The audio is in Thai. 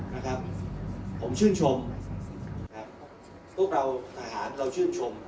นะครับผมชื่นชมนะครับพวกเราทหารเราชื่นชม